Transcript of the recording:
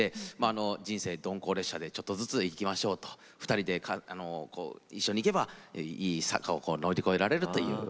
人生どんこ列車でちょっとずついきましょうということで一緒に行けばいい坂を乗り越えられるという。